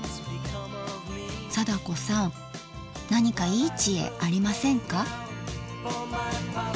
貞子さん何かいい知恵ありませんか？